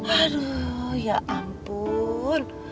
aduh ya ampun